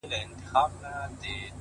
د عمل دوام شخصیت ته شکل ورکوي’